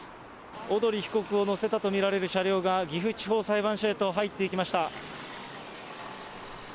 小鳥被告を乗せたと見られる車両が、岐阜地方裁判所へと入っていきました。